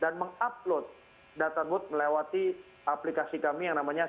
dan mengupload data data melewati aplikasi kami yang namanya enam ng